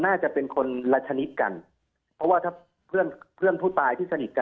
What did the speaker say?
น่าจะเป็นคนละชนิดกันเพราะว่าถ้าเพื่อนเพื่อนผู้ตายที่สนิทกัน